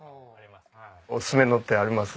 おすすめのってあります？